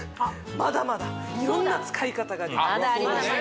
まだまだ色んな使い方ができます